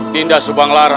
dinda subang lara